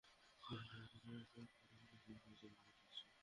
কৃষ্নকান্তজি, পুনামের শ্বশুরবাড়ি থেকে পুনামের বিয়ের জিনিসপত্র নিয়ে এসেছি।